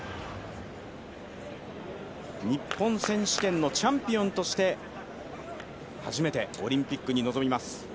日本選手権のチャンピオンとして初めてオリンピックに臨みます。